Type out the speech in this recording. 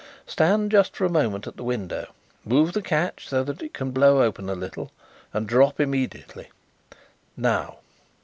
Stand just for a moment at the window, move the catch so that it can blow open a little, and drop immediately. Now."